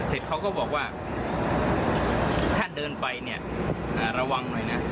เสร็จเขาก็บอกว่าถ้าเดินไปเนี่ยระวังหน่อยนะ